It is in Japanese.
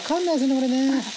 これね。